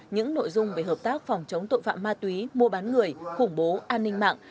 những nội dung về hợp tác phòng chống tội phạm ma túy mua bán người khủng bố an ninh mạng